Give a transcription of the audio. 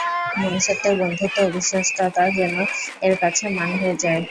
মানুষের বন্ধুত্ব ও বিশ্বস্ততা যেন এর কাছে মান হয়ে যায়।